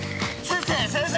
先生！